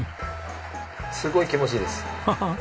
すごい気持ちいいです。